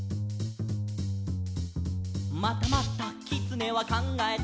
「またまたきつねはかんがえた」